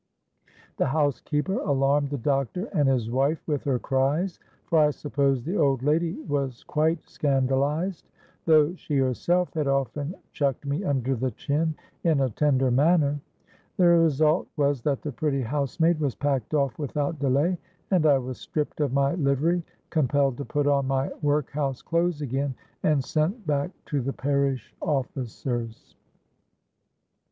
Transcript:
The housekeeper alarmed the doctor and his wife with her cries—for I suppose the old lady was quite scandalised, though she herself had often chucked me under the chin in a tender manner. The result was that the pretty housemaid was packed off without delay; and I was stripped of my livery, compelled to put on my workhouse clothes again, and sent back to the parish officers.